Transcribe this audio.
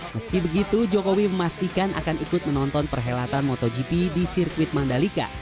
meski begitu jokowi memastikan akan ikut menonton perhelatan motogp di sirkuit mandalika